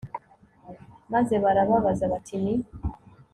maze barababaza bati ni